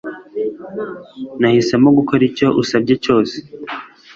Nahisemo gukora icyo usabye cyose